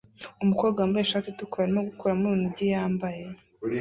Umukobwa wambaye ishati itukura arimo gukuramo urunigi yambaye